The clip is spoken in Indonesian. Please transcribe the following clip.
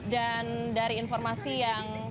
dan dari informasi yang